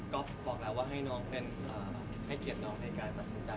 ก็บอกแล้วว่าให้น้องให้เกียรติน้องในการตัดสินใจ